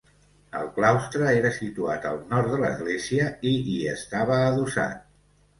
El claustre era situat al nord de l'església i hi estava adossat.